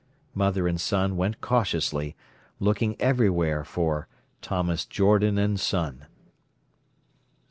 Mother and son went cautiously, looking everywhere for "Thomas Jordan and Son".